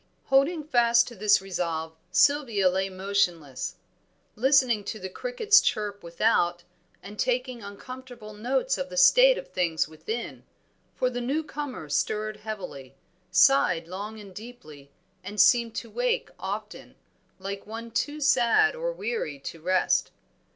Holding fast to this resolve Sylvia lay motionless; listening to the cricket's chirp without, and taking uncomfortable notes of the state of things within, for the new comer stirred heavily, sighed long and deeply, and seemed to wake often, like one too sad or weary to rest.